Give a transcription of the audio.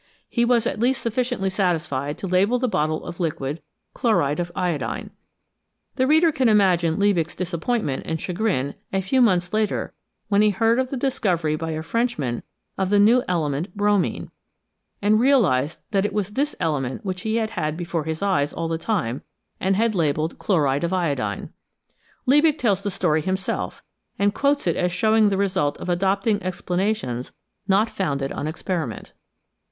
He was at least sufficiently satisfied to label the bottle of liquid " chloride of iodine. " The reader can imagine Liebig's disappoint ment and chagrin a few months later when he heard of the discovery by a Frenchman of the new element " bromine," and realised that it was this element which he had had before his eyes all the time and had labelled "chloride of iodine." Liebig tells the story himself, and quotes it as showing the result of adopting explana tions not founded on experiment.